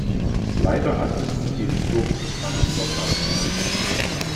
Leider hat es diese historische Chance vertan.